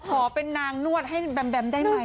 ขอเป็นนางนวดให้แบมแบมได้ไหม